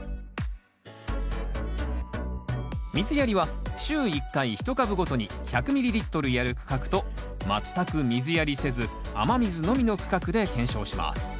水やりは週１回一株ごとに１００ｍＬやる区画と全く水やりせず雨水のみの区画で検証します